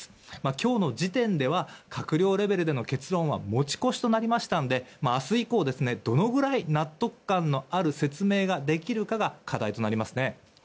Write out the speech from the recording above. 今日の時点では閣僚レベルでの結論は持ち越しとなりましたんで明日以降、どのくらい納得感のある説明ができるかが課題となりますね。